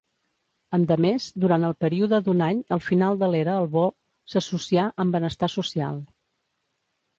Endemés, durant el període d'un any al final de l'era Albor, s'associà amb Benestar social.